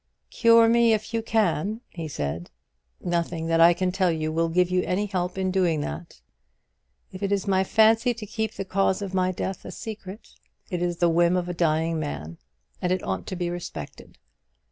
"Cure me, if you can," he said; "nothing that I can tell you will give you any help in doing that. If it is my fancy to keep the cause of my death a secret, it is the whim of a dying man, and it ought to be respected.